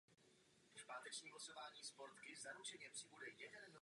Rovněž došlo k rozšíření pěších zón.